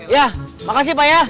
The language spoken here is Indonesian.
ya makasih pak ya